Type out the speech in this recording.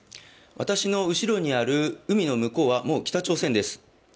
私の後ろにある海の向こうはもう北朝鮮です。